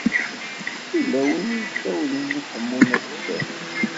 Yella win i s-isawlen i Ḥemmu n At Sɛid.